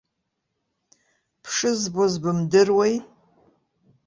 Бшызбоз бымдыруеи?